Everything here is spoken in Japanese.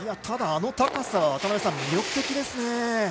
ただ、あの高さ渡辺さん、魅力的ですね。